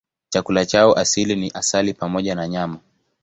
Chakula chao asili ni asali pamoja na nyama.